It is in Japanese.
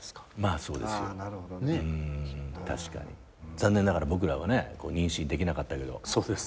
残念ながら僕らは妊娠できなかったけど。